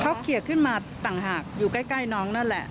เขาเขียดขึ้นมาต่างหากอยู่ใกล้น้องนั่นแหละ